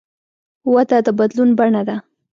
وده د بدلون بڼه ده.